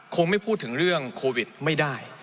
คงไม่พูดถึงเรื่องโควิดไม่ได้